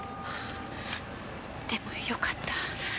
でもよかった